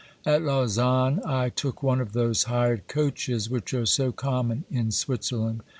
At Lausanne I took one of those hired coaches which are so common in Switzerland.